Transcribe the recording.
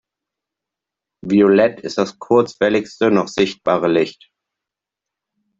Violett ist das kurzwelligste noch sichtbare Licht.